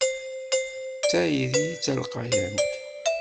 S tayri d talqayant.